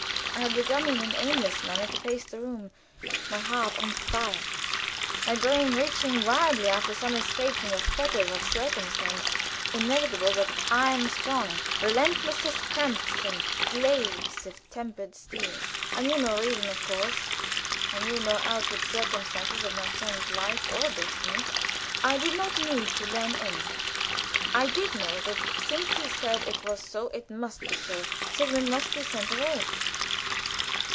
I had begun in an aimless manner to pace the room, my heart on fire, my brain reaching wildly after some escape from the fetters of circumstance, invisible but iron strong, relentless as cramps and glaives of tempered steel. I knew no reason, of course. I knew no outward circumstances of my friend's life or destiny. I did not wish to learn any. I did know that since he said it was so it must be so. Sigmund must be sent away!